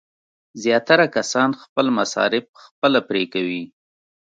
زیاتره کسان خپل مصارف خپله پرې کوي.